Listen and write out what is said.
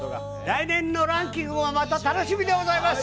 来年のランキングもまた楽しみでございます。